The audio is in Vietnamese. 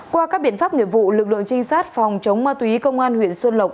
qua các biện pháp nghiệp vụ lực lượng trinh sát phòng chống ma túy công an huyện xuân lộc